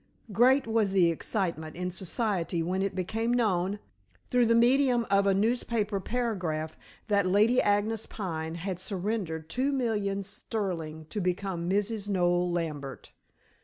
Great was the excitement in society when it became known through the medium of a newspaper paragraph that Lady Agnes Pine had surrendered two millions sterling to become Mrs. Noel Lambert.